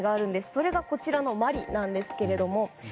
それがマリなんですけれども。